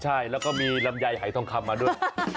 ใช่แล้วก็มีลำไยหายทองคำมาด้วย